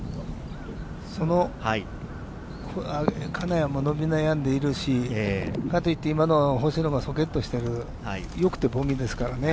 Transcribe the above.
その金谷も伸び悩んでいるし、かと言って星野がソケットしている、良くてボギーですからね。